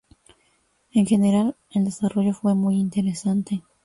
En general, el desarrollo fue muy interesante.